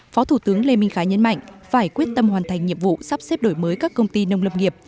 phó thủ tướng lê minh khái nhấn mạnh phải quyết tâm hoàn thành nhiệm vụ sắp xếp đổi mới các công ty nông lâm nghiệp